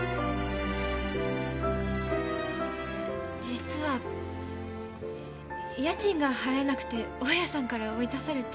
実は家賃が払えなくて大家さんから追い出されて。